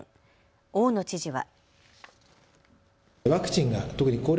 大野知事は。